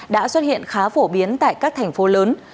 đã xuất hiện khá phổ biến tại các thành phố lớn